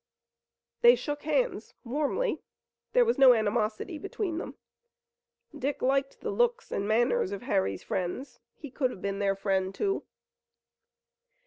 They shook hands warmly. There was no animosity between them. Dick liked the looks and manners of Harry's friends. He could have been their friend, too.